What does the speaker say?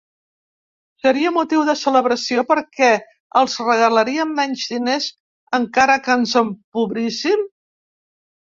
Seria motiu de celebració perquè els regalaríem menys diners, encara que ens empobríssim?